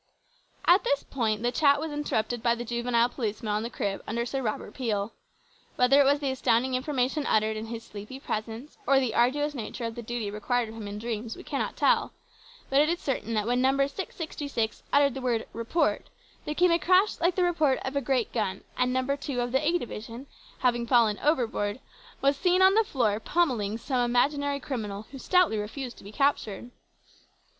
At this point the chat was interrupted by the juvenile policeman in the crib under Sir Robert Peel. Whether it was the astounding information uttered in his sleepy presence, or the arduous nature of the duty required of him in dreams, we cannot tell, but certain it is that when Number 666 uttered the word "Report" there came a crash like the report of a great gun, and Number 2 of the A Division, having fallen overboard, was seen on the floor pommelling some imaginary criminal who stoutly refused to be captured.